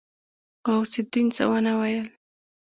غوث الدين څه ونه ويل.